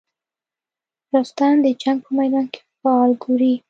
رستم د جنګ په میدان کې فال ګوري.